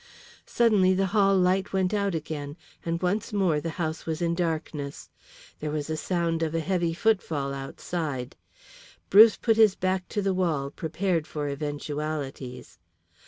Suddenly the hall light went out again, and once more the house was in darkness. There was the sound of a heavy footfall outside. Bruce put his back to the wall prepared for eventualities.